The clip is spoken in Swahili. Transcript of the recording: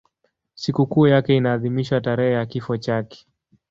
Sikukuu yake inaadhimishwa tarehe ya kifo chake.